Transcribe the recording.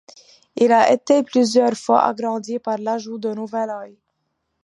Il a été plusieurs fois agrandi par l'ajout de nouvelles ailes.